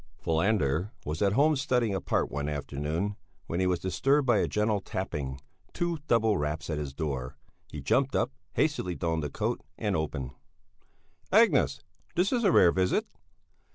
Falander was at home studying a part one afternoon, when he was disturbed by a gentle tapping, two double raps, at his door. He jumped up, hastily donned a coat and opened. "Agnes! This is a rare visit!"